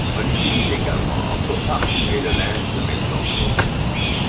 On l'utilise également pour parfumer le linge de maison.